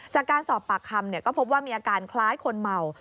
จากการสอบปากคำก็พบว่ามีอาการคล้ายคนเมา